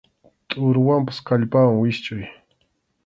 Tʼuruwanpas kallpawan wischʼuy.